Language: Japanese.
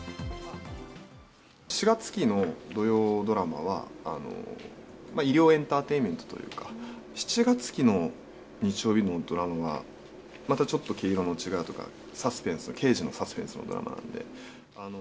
４月期の土曜ドラマは、医療エンターテイメントというか、７月期の日曜日のドラマは、またちょっと毛色の違うというか、サスペンス、刑事のサスペンスのドラマなので。